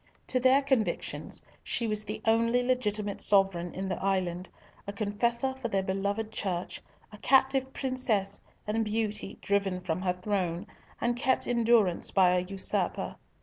To their convictions, she was the only legitimate sovereign in the island, a confessor for their beloved Church, a captive princess and beauty driven from her throne, and kept in durance by a usurper.